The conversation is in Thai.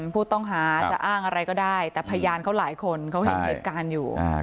ผู้ต้องหาจะอ้างอะไรก็ได้แต่พยานเขาหลายคนเขาเห็นเหตุการณ์อยู่